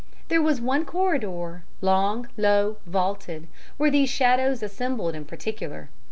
"There was one corridor long, low, vaulted where these shadows assembled in particular.